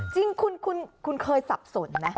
จริงคุณเคยสับสนไหม